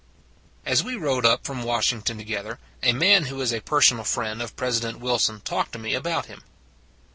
AS we rode up from Washington to gether a man who is a personal friend of President Wilson talked to me about him.